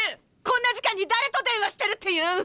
こんな時間に誰と電話してるっていうん！？